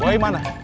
buah yang mana